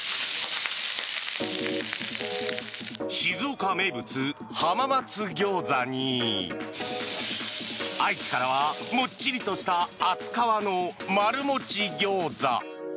静岡名物、浜松餃子に愛知からはもっちりとした厚皮の丸もち餃子。